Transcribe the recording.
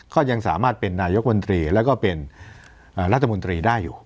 ก็ยังสามารถเป็นนายกมนตรีแล้วก็เป็นรัฐมนตรีได้อยู่